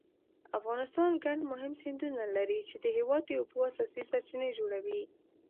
افغانستان ګڼ مهم سیندونه لري چې د هېواد د اوبو اساسي سرچینې جوړوي.